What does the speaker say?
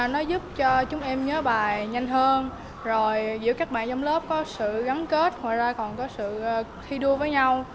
nó giúp cho chúng em nhớ bài nhanh hơn giữ các bạn trong lớp có sự gắn kết ngoài ra còn có sự thi đua với nhau